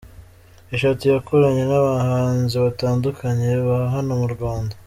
eshatu yakoranye n’abahanzi batandukanye ba hano mu Rwanda.